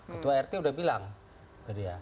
ketua rt sudah bilang